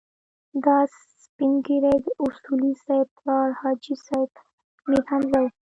دا سپين ږيری د اصولي صیب پلار حاجي صیب میرحمزه و.